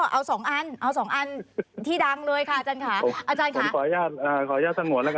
เอาสองอันเอาสองอันที่ดังเลยค่ะอาจารย์ค่ะอาจารย์ค่ะขออนุญาตอ่า